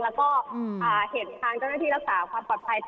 แล้วก็เห็นทางเจ้าหน้าที่รักษาความปลอดภัย